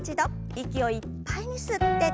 息をいっぱいに吸って。